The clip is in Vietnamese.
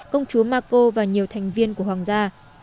công chúa mako và nhiều thành viên của hoàng gia